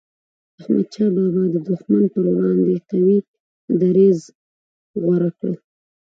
احمد شاه بابا د دښمن پر وړاندي قوي دریځ غوره کړ.